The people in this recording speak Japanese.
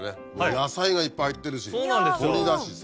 野菜がいっぱい入ってるし鶏だしさ。